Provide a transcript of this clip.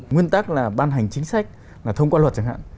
nguyên tắc là ban hành chính sách là thông qua luật chẳng hạn